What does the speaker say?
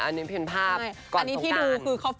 อันนี้และภาพก่อนสมการ